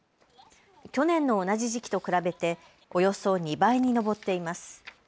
去年の同じ時期と比べておよそ２倍に上っています。